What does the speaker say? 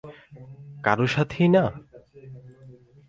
কারো সাথেই না?